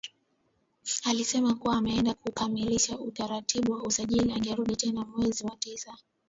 Alisema kuwa ameenda kukamilisha taratibu za usajili angerudi tena mwezi wa tisa